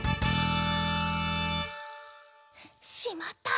しまった！